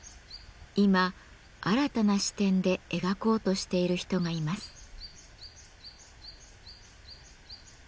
今新たな視点で描こうとしている人がいます。